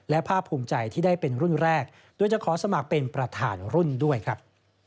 และภาพภูมิใจที่ได้เป็นรุ่นแรกโดยจะขอสมัครเป็นประธานรุ่นด้วยครับ